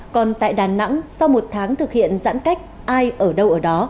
còn tại đà nẵng sau một tháng thực hiện giãn cách ai ở đâu ở đó